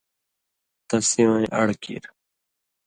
تس سِوَیں اڑ کیر۔